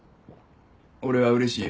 俺はうれしいよ。